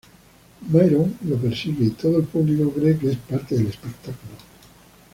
Myron lo persigue y todo el público cree que es parte del espectáculo.